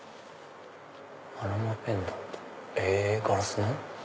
「アロマペンダント」へぇガラスの？